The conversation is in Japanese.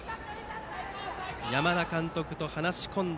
山田監督と話し込んだ